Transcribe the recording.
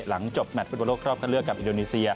หลังจบแมตรฟุตบันโลกครอบเข้าเรือกกับอิดโนีเซีย